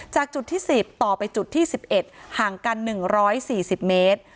จากจุดที่๑๐ต่อไปจุดที่๑๑ห่างกัน๑๔๐เมตร